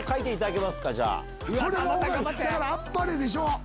だから『あっぱれ』でしょ。